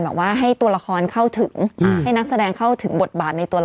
ว่าให้ตัวละครเข้าถึงให้นักแสดงเข้าถึงบทบาทในตัวเรา